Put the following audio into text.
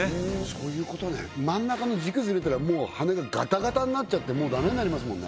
そういうことね真ん中の軸ずれたらもう羽根がガタガタになっちゃってもうダメになりますもんね